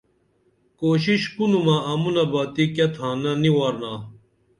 کُوشش کُنُومہ امُونہ باتی کیہ تھانہ نی وارنا